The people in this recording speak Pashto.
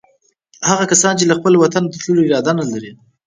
هغه کسان چې له وطن څخه د تللو اراده نه لري.